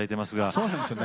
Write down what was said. そうなんですよね。